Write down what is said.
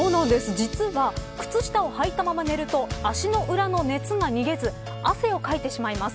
実は、靴下を履いたまま寝ると足の裏の熱が逃げず汗をかいてしまいます。